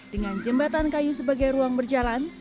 dengan jembatan kayu sebagai ruang berjalan